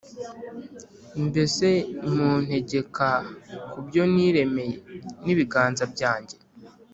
mbese muntegeka ku byo niremeye n’ibiganza byanjye ?